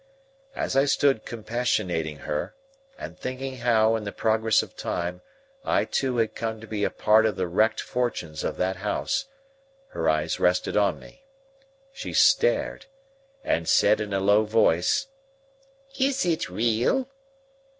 As I stood compassionating her, and thinking how, in the progress of time, I too had come to be a part of the wrecked fortunes of that house, her eyes rested on me. She stared, and said in a low voice, "Is it real?"